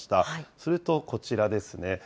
するとこちらですね。